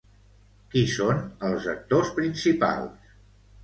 Qui són els actors principals?